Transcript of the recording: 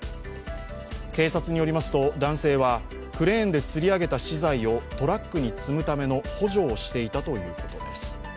警察によりますと男性はクレーンでつり上げた資材をトラックに積むための補助をしていたということです。